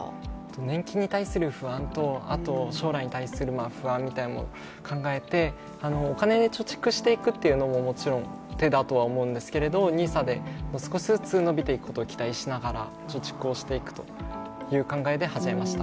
年金に対する不安と、将来に対する不安みたいなものも考えてお金で貯蓄していくというのももちろん手だと思うんですけれども、ＮＩＳＡで少しずつ伸びていくことを期待しながら貯蓄していくという考えで始めました。